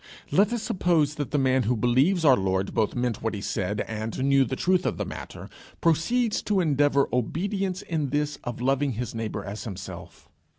Let us suppose that the man who believes our Lord both meant what he said, and knew the truth of the matter, proceeds to endeavour obedience in this of loving his neighbour as himself.